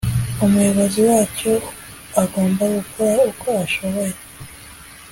umuyobozi wacyo agomba gukora uko ashoboye